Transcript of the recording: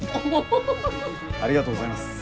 ありがとうございます。